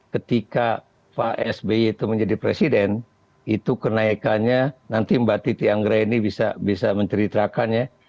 ketika pak sby itu menjadi presiden itu kenaikannya nanti mbak titi anggra ini bisa menceritakan ya